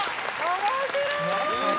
面白い！